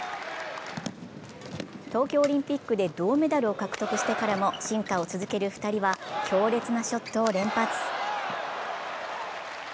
東京オリンピックで銅メダルを獲得してからも進化を続ける２人は強烈なショットを連発。